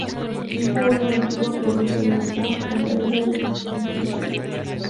Higo era una antigua provincia de Japón, en la isla de Kyūshū.